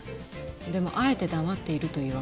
でもあえて黙っているというわけか。